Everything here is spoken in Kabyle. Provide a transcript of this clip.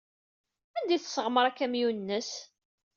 Anda ay tesseɣmer akamyun-nnes?